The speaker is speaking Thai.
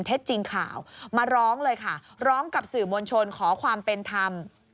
จริงข่าวมาร้องเลยค่ะร้องกับสื่อมวลชนขอความเป็นธรรม